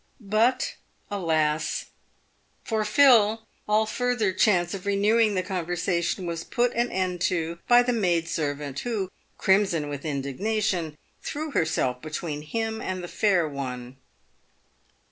But, alas ! for Phil, all further chance of renewing the conversation was put an end to by the maid servant, who, crimson with indigna tion, threw herself between him and the fair one.